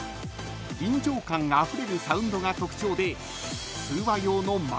［臨場感あふれるサウンドが特徴で］